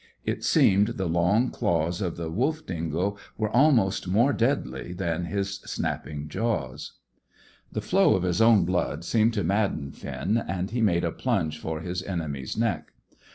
It seemed the long claws of the wolf dingo were almost more deadly than his snapping jaws. The flow of his own blood seemed to madden Finn, and he made a plunge for his enemy's neck.